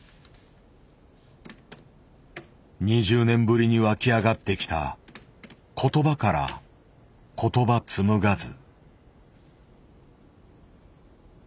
２０年ぶりに湧き上がってきた「言葉から言葉つむがず」。